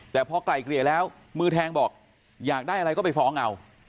แต่พอไกลเกลี่ยแล้วมือแทงบอกอยากได้อะไรก็ไปฟ้องเอา